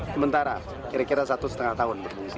kementara kira kira satu setengah tahun